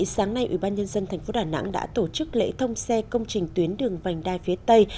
sáng nay ủy ban nhân dân tp đà nẵng đã tổ chức lễ thông xe công trình tuyến đường vành đai phía tây